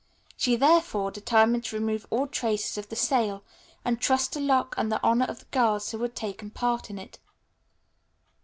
She, therefore, determined to remove all traces of the sale and trust to luck and the honor of the girls who had taken part in it.